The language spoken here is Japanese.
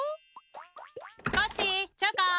コッシーチョコン！